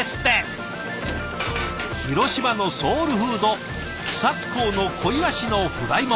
広島のソウルフード草津港の小イワシのフライも。